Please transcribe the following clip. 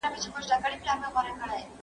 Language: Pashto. بجل نه وه، بجل ئې راوړه.